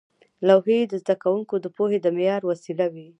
لوحې د زده کوونکو د پوهې د معیار وسیله وې.